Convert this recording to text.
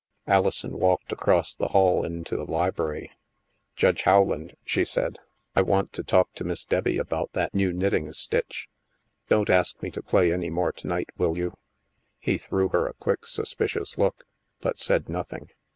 Alison walked across the hall into the library. " Judge Howland," she said, " I want to talk to 70 THE MASK Miss Debbie about that new knitting stitch. Don't ask me to play any more to night, will you? " He threw her a quick suspicious look, but said nothing.